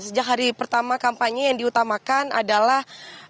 sejak hari pertama kampanye yang diutamakan adalah